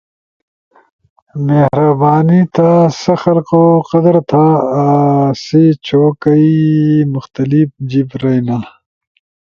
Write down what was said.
مہربانی تھا سا ضلقو قدر تھا ایسی چھو کئی مختلف جیب رئینا۔